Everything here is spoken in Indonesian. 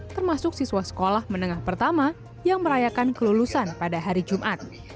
termasuk siswa sekolah menengah pertama yang merayakan kelulusan pada hari jumat